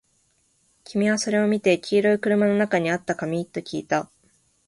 君はそれを見て、黄色い車の中にあった紙？ときいた